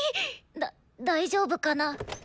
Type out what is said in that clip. だ大丈夫かな。